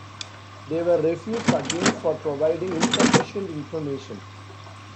They were refused again for providing insufficient information.